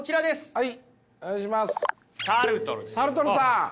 はい。